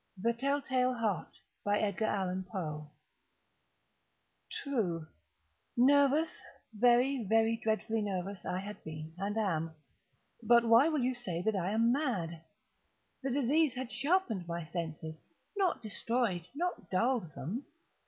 _ THE TELL TALE HEART. True!—nervous—very, very dreadfully nervous I had been and am; but why will you say that I am mad? The disease had sharpened my senses—not destroyed—not dulled them.